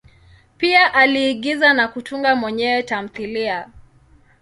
Pia aliigiza na kutunga mwenyewe tamthilia.